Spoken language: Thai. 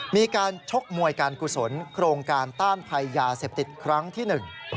ชกมวยการกุศลโครงการต้านภัยยาเสพติดครั้งที่หนึ่ง